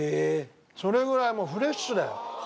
それぐらいもうフレッシュだよ。